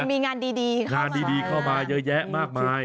คือมีงานดีเข้ามางานดีเข้ามาเยอะแยะมากมาย